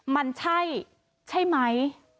มันใช่ใช่ไหม